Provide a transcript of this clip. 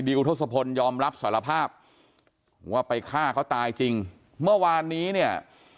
ทศพลยอมรับสารภาพว่าไปฆ่าเขาตายจริงเมื่อวานนี้เนี่ย